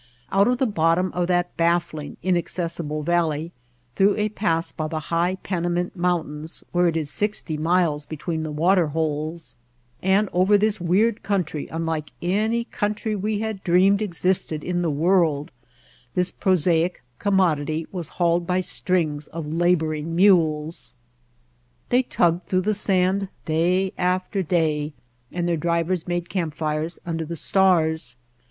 Out of the bottom of that baffling, inaccessible valley, through a pass by the high Panamint Mountains where it is sixty miles between the water holes, and over this weird country unlike any country we had dreamed existed in the world, this prosaic commodity was hauled by strings of laboring mules. They tugged through the sand day after day and their drivers made camp fires under the stars.